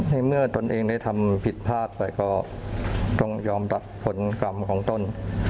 ในเมื่อตนเองได้ทำผิดพลาดไปก็ต้องยอมรับผลกรรมของตน